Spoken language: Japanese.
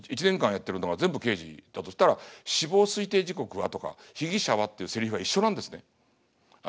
１年間やってるのは全部刑事だとしたら「死亡推定時刻は？」とか「被疑者は？」っていうセリフが一緒なんですね。